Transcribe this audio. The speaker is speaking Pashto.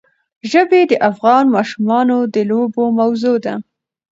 ژبې د افغان ماشومانو د لوبو موضوع ده.